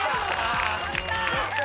・やった！